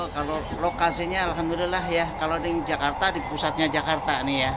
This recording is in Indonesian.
kalau lokasinya alhamdulillah ya kalau di jakarta di pusatnya jakarta nih ya